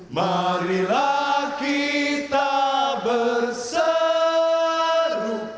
marilah kita berseru